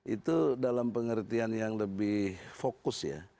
itu dalam pengertian yang lebih fokus ya